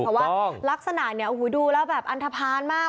เพราะว่าลักษณะเนี่ยโอ้โหดูแล้วแบบอันทภาณมาก